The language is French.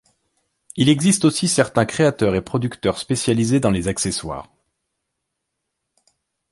Il existe aussi certains créateurs et producteurs spécialisés dans les accessoires.